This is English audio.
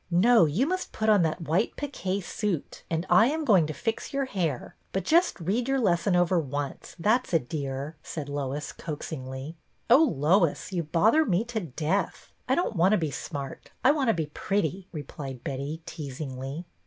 " No, you must put on that white pique suit, and I am going to fix your hair; but just read your lesson over once, that 's a dear," said Lois, coaxingly. " Oh, Lois, you bother me to death. I don't want to be smart, I want to be pretty," replied Betty, teasingly.